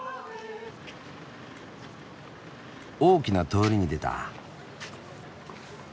大きな通りに出た。